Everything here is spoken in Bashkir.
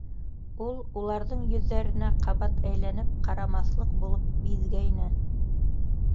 Ул уларҙың йөҙҙәренә ҡабат әйләнеп ҡарамаҫлыҡ булып биҙгәйне.